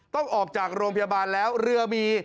ต้องออกจากโรงพยาบาลแล้วเรือมี